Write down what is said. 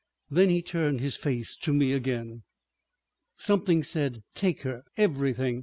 Then he turned his face to me again. "Something said 'Take her.' Everything.